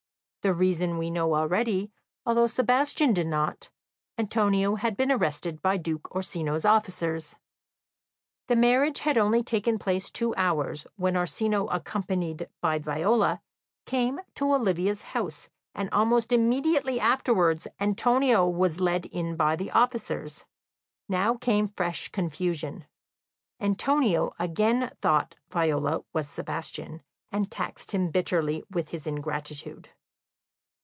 The reason we know already, although Sebastian did not Antonio had been arrested by Duke Orsino's officers. The marriage had only taken place two hours, when Orsino, accompanied by Viola, came to Olivia's house, and almost immediately afterwards Antonio was led in by the officers. Now came fresh confusion; Antonio again thought Viola was Sebastian, and taxed him bitterly with his ingratitude.